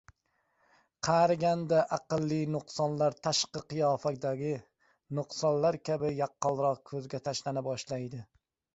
Qariganda aqliy nuqsonlar tashqi qiyofadagi nuqsonlar kabi yaqqolrok, ko‘zga tashlana boshlaydi.